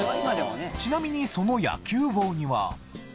ちなみにその野球帽には。